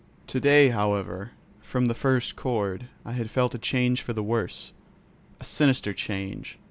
To day, however, from the first chord I had felt a change for the worse, a sinister change.